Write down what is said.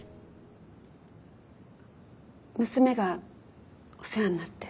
娘がお世話になって。